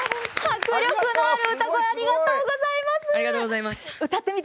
迫力のある歌声ありがとうございました。